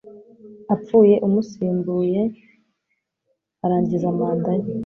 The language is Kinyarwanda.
apfuye umusimbuye arangiza manda ye